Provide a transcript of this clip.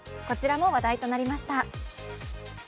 こちらも話題となりました。